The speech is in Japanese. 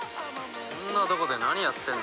「こんなとこで何やってんだ？」